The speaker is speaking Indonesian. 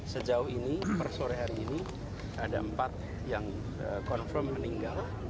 sejauh ini per sore hari ini ada empat yang confirm meninggal